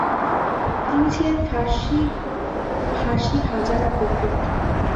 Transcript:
তিনি ছিলেন ফার্সি ভাষী হাজারা ব্যক্তিত্ব।